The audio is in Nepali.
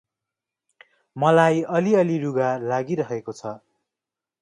मलाई अलि अलि रुघा लागिरहेको छ ।